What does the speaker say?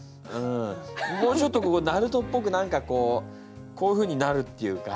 もうちょっとここなるとっぽく何かこうこういうふうになるっていうか。